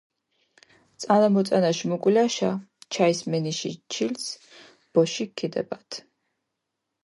წანამოწანაშ მუკულაშა ჩაისმენიში ჩილცჷ ბოშიქ ქჷდებადჷ.